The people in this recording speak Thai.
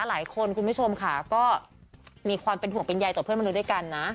คุณผู้ชมค่ะก็มีความเป็นห่วงเป็นใยต่อเพื่อนมนุษย์ด้วยกันนะ